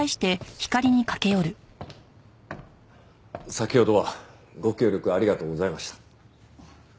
先ほどはご協力ありがとうございました。